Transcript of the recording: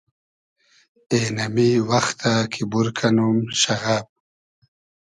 اېنئمی وئختۂ کی بور کئنوم شئغئب